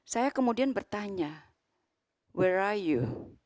saya kemudian bertanya where are you